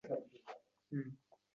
O'gay onam, o'gay ukam va men.